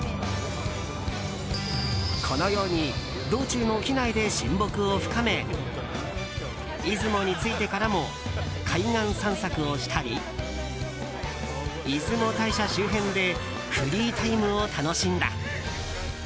このように道中の機内で親睦を深め出雲に着いてからも海岸散策をしたり出雲大社周辺でフリータイムを楽しんだ。